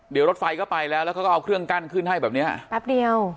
เดี๋ยวรถไฟก็ไปแล้วแล้วเขาก็เอาเครื่องกั้นขึ้นให้แบบเนี้ยแป๊บเดียว